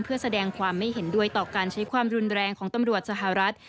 เพื่อแสดงความไม่เห็นด้วยต่อการใช้ความรุนแรงของตำรวจสหรัฐ